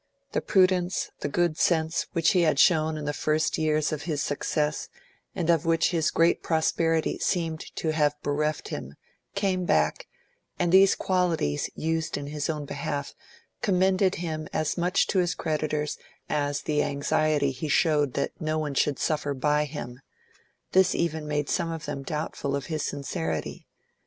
The prudence, the good sense, which he had shown in the first years of his success, and of which his great prosperity seemed to have bereft him, came back, and these qualities, used in his own behalf, commended him as much to his creditors as the anxiety he showed that no one should suffer by him; this even made some of them doubtful of his sincerity.